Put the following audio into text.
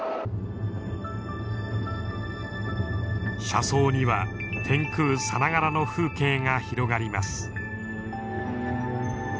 車窓には天空さながらの風景が広がります。